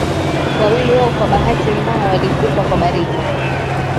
wawili wao kwa bahati mbaya walikufa kwa baridi